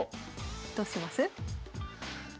どうします？